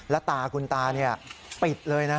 แล้วตาคุณตาปิดเลยนะ